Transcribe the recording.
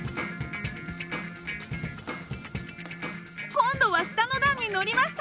今度は下の段にのりました！